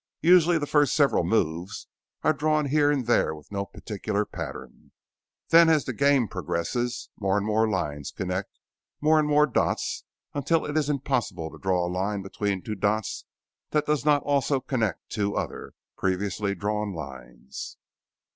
Usually the first several moves are drawn here and there with no particular pattern. Then as the game progresses, more and more lines connect more and more dots until it is impossible to draw a line between two dots that does not also connect two other, previously drawn lines.